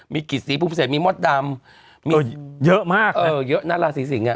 มีกิจสีภูมิเศรษฐ์มีมอดดำเยอะมากเออเยอะน่าราศรีสิงศ์อ่ะอ๋อ